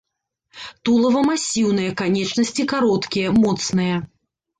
Тулава масіўнае, канечнасці кароткія, моцныя.